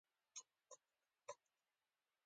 د افغانستان تر ټولو لویه ولسوالۍ کومه ده؟